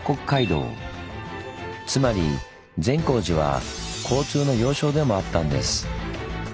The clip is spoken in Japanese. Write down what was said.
つまり善光寺は交通の要衝でもあったんです。